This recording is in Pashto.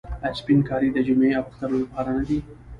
آیا سپین کالي د جمعې او اختر لپاره نه دي؟